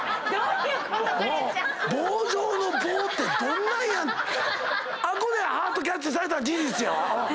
棒状の棒ってどんなんや⁉あっこでハートキャッチされたんは事実やわ。